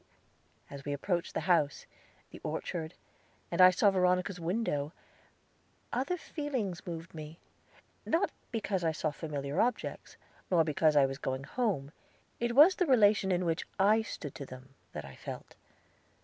As we approached the house, the orchard, and I saw Veronica's window, other feelings moved me. Not because I saw familiar objects, nor because I was going home it was the relation in which I stood to them, that I felt.